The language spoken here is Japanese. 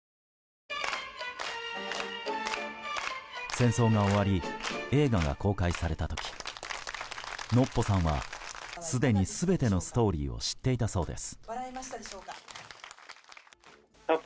戦争が終わり映画が公開された時ノッポさんはすでに全てのストーリーを知っていたそうです。